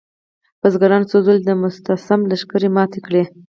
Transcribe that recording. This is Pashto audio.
بزګرانو څو ځلې د مستعصم لښکرې ماتې کړې.